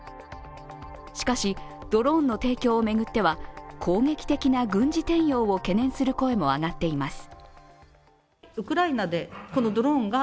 しかし、ドローンの提供を巡っては、攻撃的な軍事転用を懸念する声も上がっています。